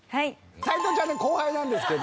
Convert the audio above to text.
斎藤ちゃんの後輩なんですけど。